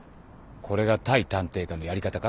これが対探偵課のやり方か？